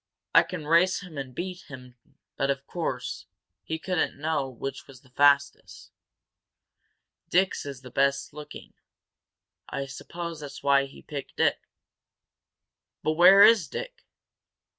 I can race him and beat him but, of course, he couldn't know which was the fastest. Dick's is the best looking. I suppose that's why he picked it." "But where is Dick?"